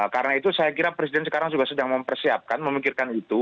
karena itu saya kira presiden sekarang juga sedang mempersiapkan memikirkan itu